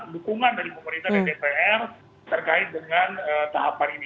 dukungan dari pemerintah dan dpr terkait dengan tahapan ini